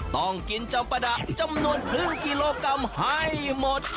ต้องกินจำปะดะจำนวนครึ่งกิโลกรัมให้หมด